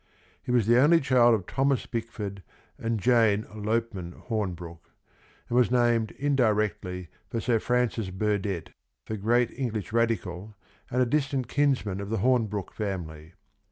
He was the only child of Thomas Bick ford and Jane (Lopeman) Hornbrooke, and was named indirectly for Sir Francis Burdett, the great English radical and a distant kinsman of the Hornbrooke family.